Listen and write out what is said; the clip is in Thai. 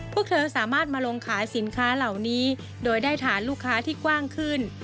พวกเธอสามารถมาลงขายสินค้าเหล่านี้โดยได้ฐานลูกค้าที่กว้างขึ้น